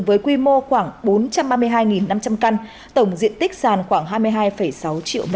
với quy mô khoảng bốn trăm ba mươi hai năm trăm linh căn tổng diện tích sàn khoảng hai mươi hai sáu triệu m hai